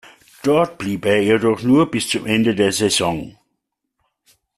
Dort blieb er jedoch nur bis zum Ende der Saison.